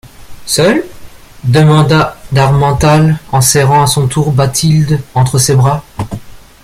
Seul ? demanda d'Harmental en serrant à son tour Bathilde entre ses bras.